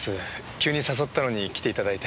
急に誘ったのに来て頂いて。